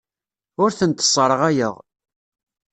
Ur tent-sserɣayeɣ.